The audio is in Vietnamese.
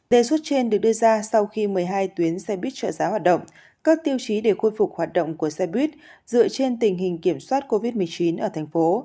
đề xuất trên được đưa ra sau khi một mươi hai tuyến xe buýt trợ giá hoạt động các tiêu chí để khôi phục hoạt động của xe buýt dựa trên tình hình kiểm soát covid một mươi chín ở thành phố